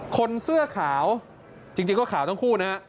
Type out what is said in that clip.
คนเสื้อขาวจริงก็ขาวต้องพูด